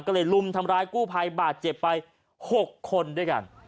ก็เลยลุมทำร้ายกู้ภัยบาดเจ็บไป๖คนด้วยกัน